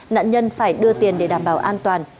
nạn nhân phải đưa tiền để đảm bảo an toàn